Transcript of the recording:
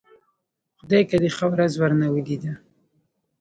خدايکه دې ښه ورځ ورنه ولېده.